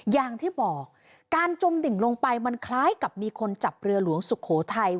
อย่างที่บอกการจมดิ่งลงไปมันคล้ายกับมีคนจับเรือหลวงสุโขทัย